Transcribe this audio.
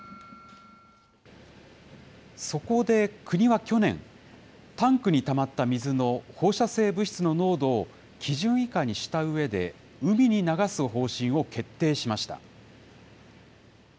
そこで、国は去年、タンクにたまった水の放射性物質の濃度を基準以下にしたうえで、海に流す方針を決定しました。